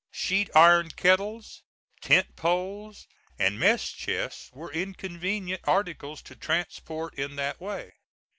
Sheet iron kettles, tent poles and mess chests were inconvenient articles to transport in that way.